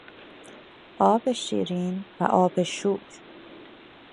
آب شیرین و آب شور